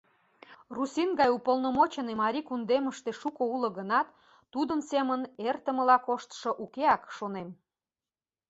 Руссин гай уполномоченный Марий кундемыште шуко уло гынат, тудын семын эртымыла коштшо укеак, шонем.